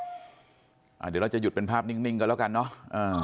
เดี๋ยวเราจะหยุดเป็นภาพนิ่งกันแล้วกันเนาะ